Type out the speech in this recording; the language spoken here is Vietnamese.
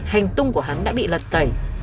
hành tung của hắn đã bị lật tẩy